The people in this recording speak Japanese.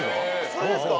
それですか？